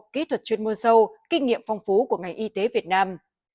kỹ thuật chuyên môn sâu kinh nghiệm phong phú của ngành y tế việt nam